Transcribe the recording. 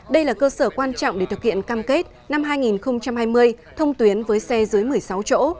đây là cơ sở quan trọng để thực hiện cam kết năm hai nghìn hai mươi thông tuyến với xe dưới một mươi sáu chỗ